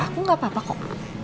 aku gak apa apa kok